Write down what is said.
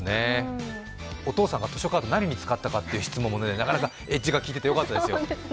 お父さんが図書カードを何に使ったかっていう質問もなかなかエッジが利いていてよかったです。